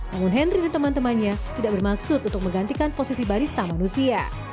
namun henry dan teman temannya tidak bermaksud untuk menggantikan posisi barista manusia